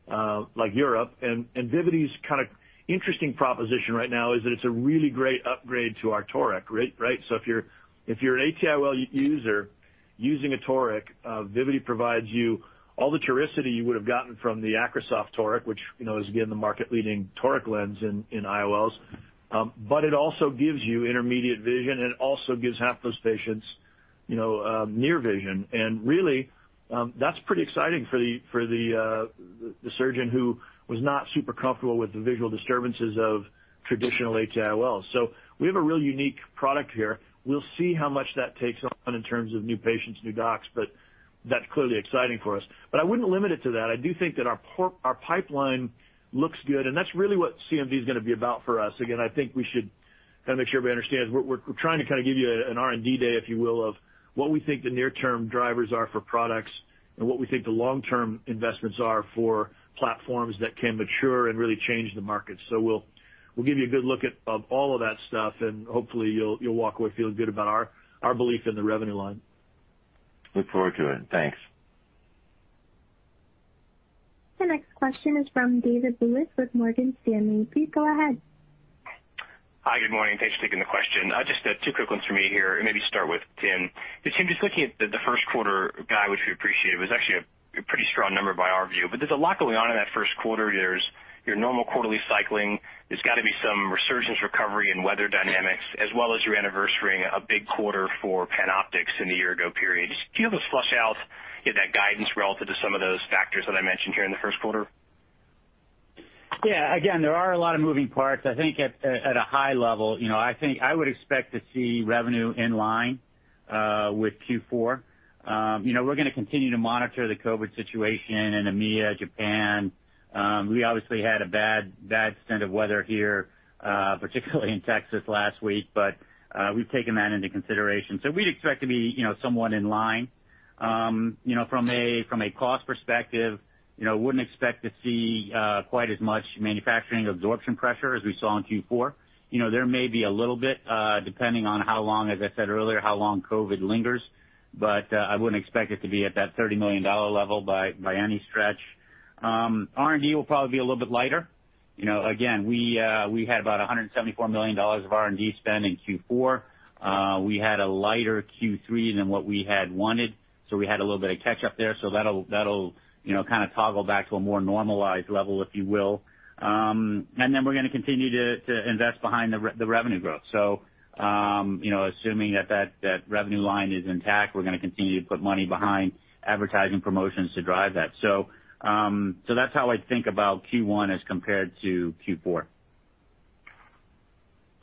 Europe, and Vivity's kind of interesting proposition right now is that it's a really great upgrade to our Toric, right? If you're an ATIOL user using a toric, Vivity provides you all the toricity you would have gotten from the AcrySof Toric, which is again, the market-leading toric lens in IOLs. It also gives you intermediate vision, and it also gives half those patients near vision. Really, that's pretty exciting for the surgeon who was not super comfortable with the visual disturbances of traditional ATIOLs. We have a really unique product here. We'll see how much that takes off in terms of new patients, new docs, but that's clearly exciting for us. I wouldn't limit it to that. I do think that our pipeline looks good, and that's really what CMD is going to be about for us. Again, I think we should kind of make sure everybody understands we're trying to kind of give you an R&D day, if you will, of what we think the near-term drivers are for products and what we think the long-term investments are for platforms that can mature and really change the market. We'll give you a good look at all of that stuff, and hopefully you'll walk away feeling good about our belief in the revenue line. Look forward to it. Thanks. The next question is from David Lewis with Morgan Stanley. Please go ahead. Hi, good morning. Thanks for taking the question. Just two quick ones for me here, and maybe start with Tim. Tim, just looking at the Q1 guide, which we appreciated, it was actually a pretty strong number by our view, but there's a lot going on in that Q1. There's your normal quarterly cycling. There's got to be some resurgence recovery and weather dynamics, as well as your anniversarying a big quarter for PanOptix in the year-ago period. Do you have a flush-out, get that guidance relative to some of those factors that I mentioned here in the Q1? Again, there are a lot of moving parts. I think at a high level, I would expect to see revenue in line with Q4. We're going to continue to monitor the COVID situation in EMEA, Japan. We obviously had a bad stint of weather here, particularly in Texas last week. We've taken that into consideration. We'd expect to be somewhat in line. From a cost perspective, wouldn't expect to see quite as much manufacturing absorption pressure as we saw in Q4. There may be a little bit, depending on how long, as I said earlier, how long COVID lingers. I wouldn't expect it to be at that $30 million level by any stretch. R&D will probably be a little bit lighter. We had about $174 million of R&D spend in Q4. We had a lighter Q3 than what we had wanted, so we had a little bit of catch-up there. That'll kind of toggle back to a more normalized level, if you will. We're going to continue to invest behind the revenue growth. Assuming that revenue line is intact, we're going to continue to put money behind advertising promotions to drive that. That's how I think about Q1 as compared to Q4.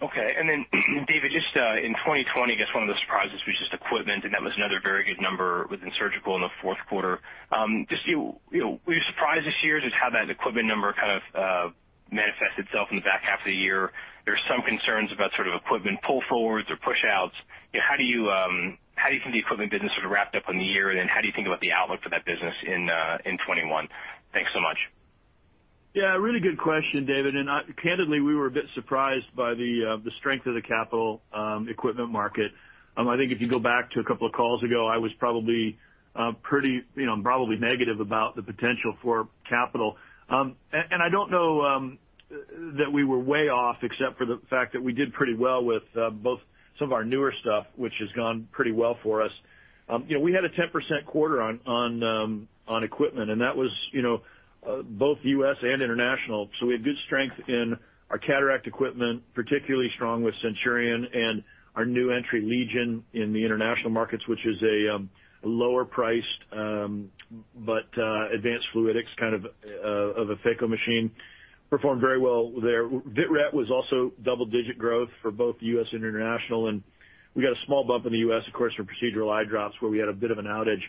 Okay. David, just in 2020, guess one of the surprises was just equipment, and that was another very good number within surgical in the Q4. Were you surprised this year just how that equipment number kind of manifests itself in the back half of the year? There is some concerns about sort of equipment pull forwards or push outs. How do you think the equipment business sort of wrapped up in the year, and then how do you think about the outlook for that business in 2021? Thanks so much. Yeah, really good question, David. Candidly, we were a bit surprised by the strength of the capital equipment market. I think if you go back to a couple of calls ago, I was probably pretty negative about the potential for capital. I don't know that we were way off, except for the fact that we did pretty well with both some of our newer stuff, which has gone pretty well for us. We had a 10% quarter on equipment, and that was both U.S. and international. We had good strength in our cataract equipment, particularly strong with Centurion and our new entry, Legion, in the international markets, which is a lower priced, but advanced fluidics kind of a phaco machine, performed very well there. Vitreoretinal was also double-digit growth for both U.S. and international. We got a small bump in the U.S., of course, from procedural eye drops, where we had a bit of an outage.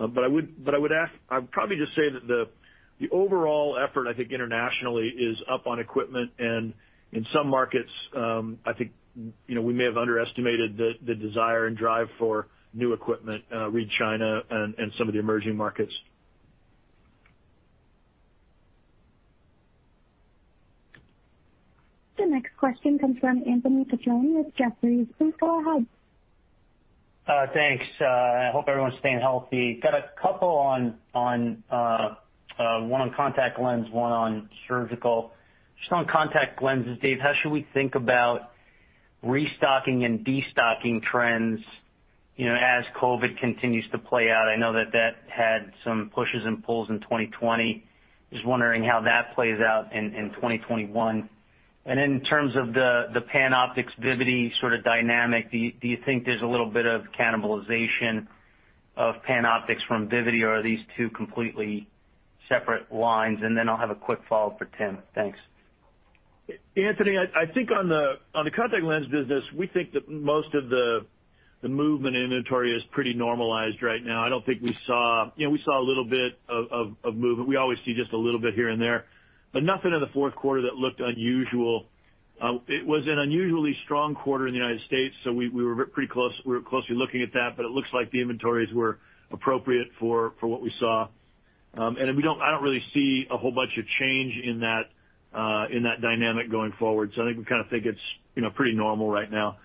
I would probably just say that the overall effort, I think internationally, is up on equipment and in some markets, I think we may have underestimated the desire and drive for new equipment, read China and some of the emerging markets. The next question comes from Anthony Petrone with Jefferies. Please go ahead. Thanks. I hope everyone's staying healthy. Got a couple, one on contact lens, one on surgical. Just on contact lenses, Dave, how should we think about restocking and destocking trends, as COVID-19 continues to play out? I know that that had some pushes and pulls in 2020. Just wondering how that plays out in 2021. In terms of the PanOptix, Vivity sort of dynamic, do you think there's a little bit of cannibalization of PanOptix from Vivity, or are these two completely separate lines? I'll have a quick follow-up for Tim. Thanks. Anthony, I think on the contact lens business, we think that most of the movement in inventory is pretty normalized right now. We saw a little bit of movement. We always see just a little bit here and there, but nothing in the Q4 that looked unusual. It was an unusually strong quarter in the U.S., so we were pretty closely looking at that, but it looks like the inventories were appropriate for what we saw. I don't really see a whole bunch of change in that dynamic going forward. I think we kind of think it's pretty normal right now.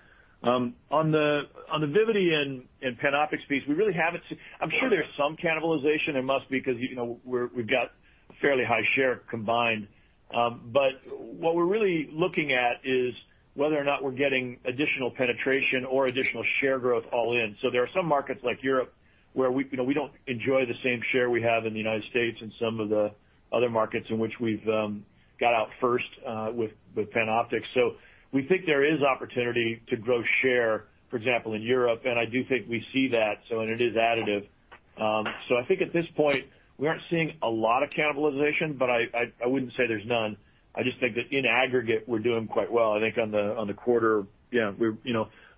On the Vivity and PanOptix piece, I'm sure there's some cannibalization. There must be, because we've got fairly high share combined. What we're really looking at is whether or not we're getting additional penetration or additional share growth all in. There are some markets like Europe, where we don't enjoy the same share we have in the United States and some of the other markets in which we've got out first with PanOptix. We think there is opportunity to grow share, for example, in Europe, and I do think we see that, so and it is additive. I think at this point, we aren't seeing a lot of cannibalization, but I wouldn't say there's none. I just think that in aggregate, we're doing quite well. I think on the quarter, yeah,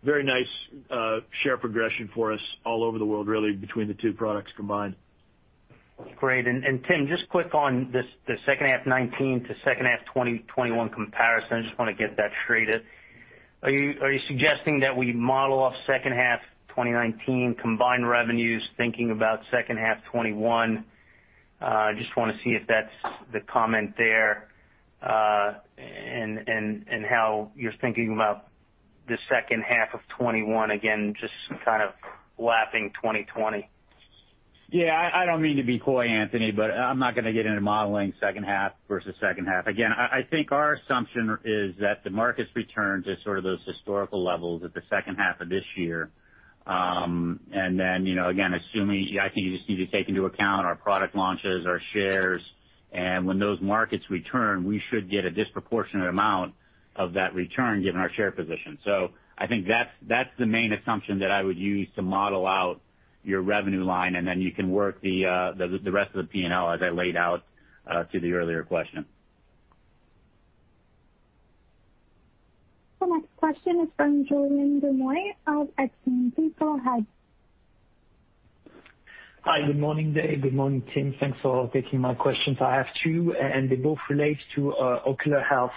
very nice share progression for us all over the world, really, between the two products combined. Great. Tim, just quick on the second half 2019 to second half 2021 comparison, I just want to get that straightened. Are you suggesting that we model off second half 2019 combined revenues, thinking about second half 2021? I just want to see if that's the comment there, and how you're thinking about the second half of 2021, again, just kind of lapping 2020? Yeah. I don't mean to be coy, Anthony, but I'm not going to get into modeling second half versus second half. Again, I think our assumption is that the market's return to sort of those historical levels at the second half of this year. Then, again, I think you just need to take into account our product launches, our shares, and when those markets return, we should get a disproportionate amount of that return given our share position. I think that's the main assumption that I would use to model out your revenue line and then you can work the rest of the P&L as I laid out to the earlier question. The next question is from Julien Dormois of Exane. Please go ahead. Hi, good morning, Dave, good morning, Tim. Thanks for taking my questions. I have two, and they both relate to ocular health.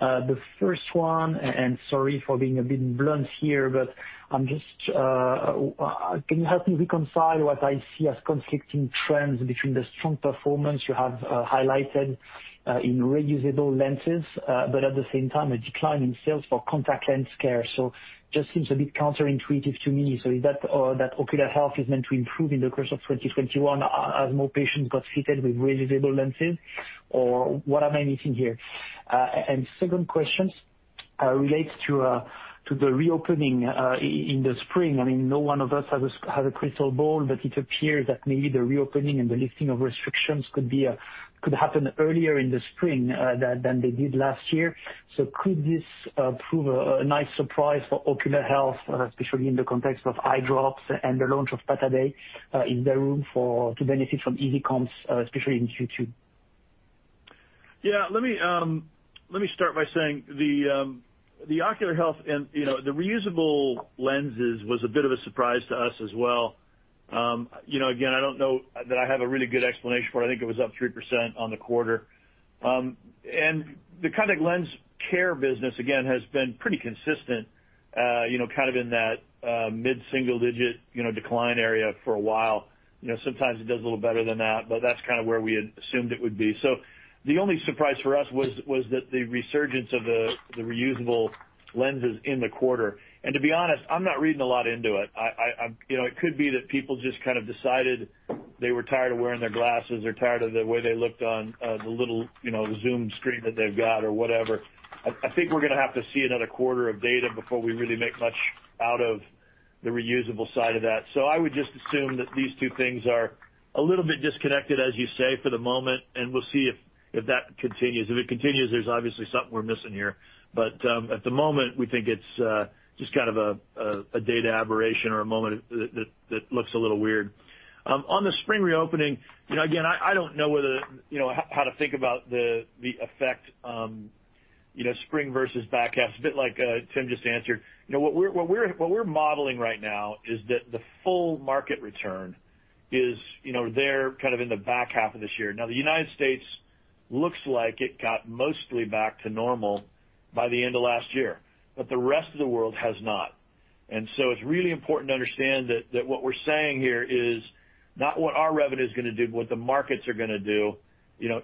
The first one, sorry for being a bit blunt here, but can you help me reconcile what I see as conflicting trends between the strong performance you have highlighted in reusable lenses, but at the same time, a decline in sales for contact lens care? Just seems a bit counterintuitive to me. Is that ocular health is meant to improve in the course of 2021 as more patients got fitted with reusable lenses? What am I missing here? Second question relates to the reopening in the spring. I mean, no one of us has a crystal ball, but it appears that maybe the reopening and the lifting of restrictions could happen earlier in the spring than they did last year. Could this prove a nice surprise for ocular health, especially in the context of eye drops and the launch of Pataday in the room to benefit from easy comps, especially in Q2? Yeah. Let me start by saying the ocular health and the reusable lenses was a bit of a surprise to us as well. Again, I don't know that I have a really good explanation for it. I think it was up 3% on the quarter. The kind of lens care business, again, has been pretty consistent kind of in that mid-single digit decline area for a while. Sometimes it does a little better than that, but that's kind of where we had assumed it would be. The only surprise for us was that the resurgence of the reusable lenses in the quarter. To be honest, I'm not reading a lot into it. It could be that people just kind of decided they were tired of wearing their glasses or tired of the way they looked on the little Zoom screen that they've got or whatever. I think we're going to have to see another quarter of data before we really make much out of the reusable side of that. I would just assume that these two things are a little bit disconnected, as you say, for the moment, and we'll see if that continues. If it continues, there's obviously something we're missing here. At the moment, we think it's just kind of a data aberration or a moment that looks a little weird. On the spring reopening, again, I don't know how to think about the effect spring versus back half. It's a bit like Tim just answered. What we're modeling right now is that the full market return is there kind of in the back half of this year. The United States looks like it got mostly back to normal by the end of last year, but the rest of the world has not. It's really important to understand that what we're saying here is not what our revenue is going to do, but what the markets are going to do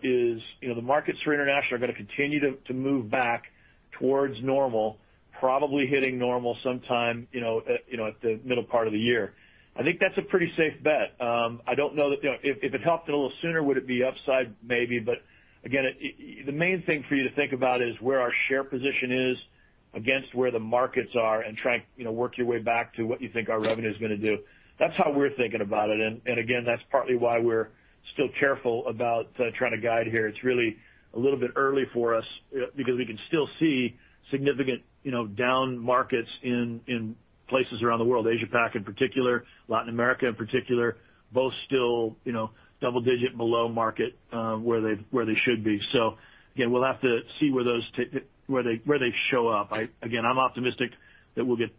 is the markets for international are going to continue to move back towards normal, probably hitting normal sometime at the middle part of the year. I think that's a pretty safe bet. I don't know that if it helped a little sooner, would it be upside? Maybe. Again, the main thing for you to think about is where our share position is against where the markets are and try work your way back to what you think our revenue is going to do. That's how we're thinking about it. Again, that's partly why we're still careful about trying to guide here. It's really a little bit early for us because we can still see significant down markets in places around the world. Asia Pac in particular, Latin America in particular, both still double-digit below market where they should be. Again, we'll have to see where they show up. Again, I'm optimistic that we'll get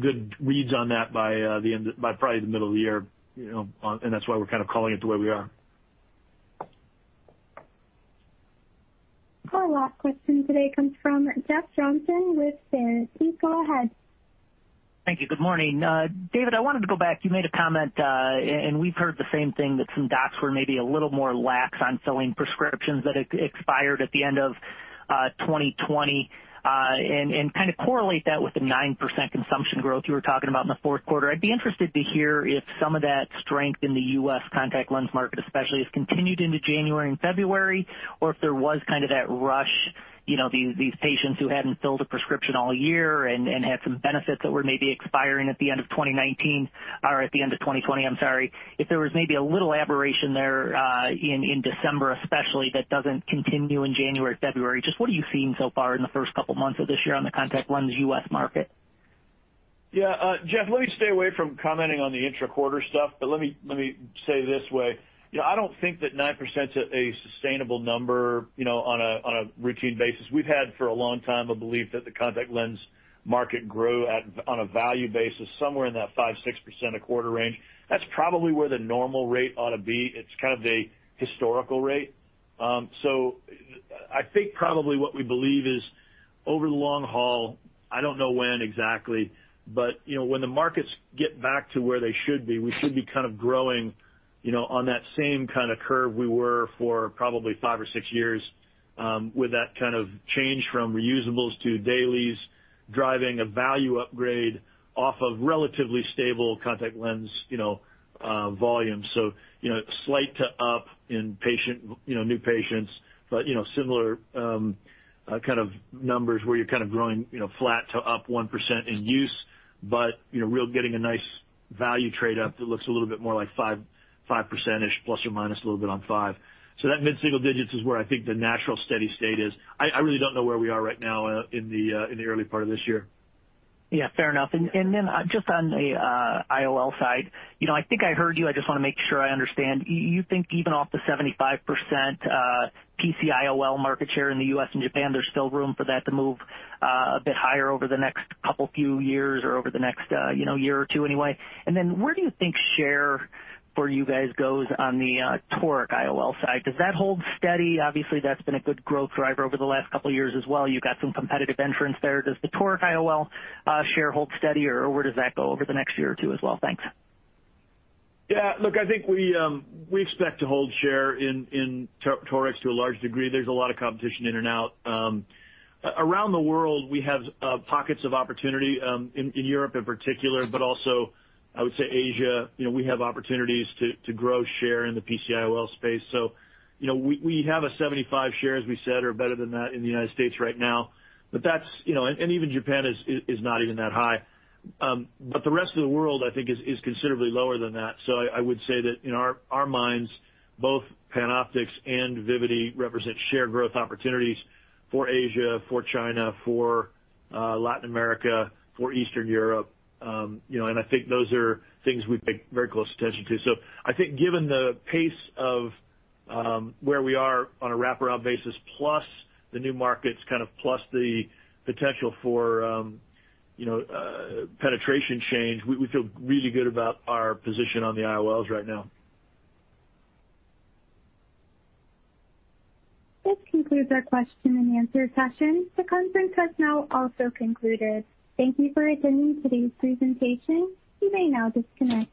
good reads on that by probably the middle of the year, and that's why we're kind of calling it the way we are. Our last question today comes from Jeff Johnson with Baird. Please go ahead. Thank you. Good morning. David, I wanted to go back. You made a comment, and we've heard the same thing, that some docs were maybe a little more lax on filling prescriptions that expired at the end of 2020, and kind of correlate that with the 9% consumption growth you were talking about in the Q4. I'd be interested to hear if some of that strength in the U.S. contact lens market especially has continued into January and February, or if there was kind of that rush, these patients who hadn't filled a prescription all year and had some benefits that were maybe expiring at the end of 2019 or at the end of 2020, I'm sorry. If there was maybe a little aberration there in December, especially, that doesn't continue in January, February. Just what are you seeing so far in the first couple of months of this year on the contact lens U.S. market? Yeah. Jeff, let me stay away from commenting on the intra-quarter stuff, but let me say this way. I don't think that 9%'s a sustainable number on a routine basis. We've had for a long time a belief that the contact lens market grow on a value basis somewhere in that 5%-6% a quarter range. That's probably where the normal rate ought to be. It's kind of the historical rate. I think probably what we believe is over the long haul I don't know when exactly, but when the markets get back to where they should be, we should be kind of growing on that same kind of curve we were for probably five or six years with that kind of change from reusables to DAILIES driving a value upgrade off of relatively stable contact lens volume. Slight to up in new patients, similar kind of numbers where you're kind of growing flat to up 1% in use, real getting a nice value trade up that looks a little bit more like 5% plus or minus a little bit on five. That mid-single digits is where I think the natural steady state is. I really don't know where we are right now in the early part of this year. Yeah, fair enough. Just on the IOL side, I think I heard you, I just want to make sure I understand. You think even off the 75% PCIOL market share in the U.S. and Japan, there's still room for that to move a bit higher over the next couple few years or over the next year or two anyway? Where do you think share for you guys goes on the toric IOL side? Does that hold steady? Obviously, that's been a good growth driver over the last couple of years as well. You got some competitive entrants there. Does the toric IOL share hold steady or where does that go over the next year or two as well? Thanks. Yeah, look, I think we expect to hold share in torics to a large degree. There's a lot of competition in and out. Around the world, we have pockets of opportunity, in Europe in particular, but also I would say Asia. We have opportunities to grow share in the PCIOL space. We have a 75 share, as we said, or better than that in the United States right now. Even Japan is not even that high. The rest of the world, I think, is considerably lower than that. I would say that in our minds, both PanOptix and Vivity represent shared growth opportunities for Asia, for China, for Latin America, for Eastern Europe. I think those are things we pay very close attention to. I think given the pace of where we are on a wraparound basis, plus the new markets kind of plus the potential for penetration change, we feel really good about our position on the IOLs right now. This concludes our question and answer session. The conference has now also concluded. Thank you for attending today's presentation. You may now disconnect.